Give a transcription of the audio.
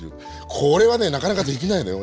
これはねなかなか出来ないのよ